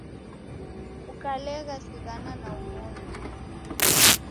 Ukalegha sighana na omoni